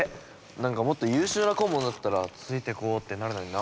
何かもっと優秀な顧問だったらついていこうってなるのにな。